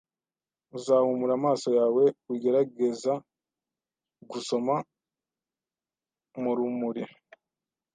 Uzahumura amaso yawe ugerageza gusoma murumuri